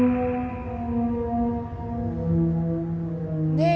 ねえ？